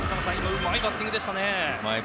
うまいバッティングでしたね。